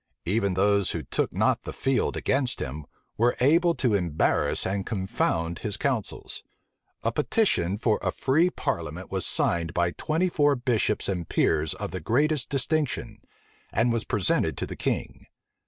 Even those who took not the field against him, were able to embarrass and confound his counsels. A petition for a free parliament was signed by twenty four bishops and peers of the greatest distinction, and was presented to the king.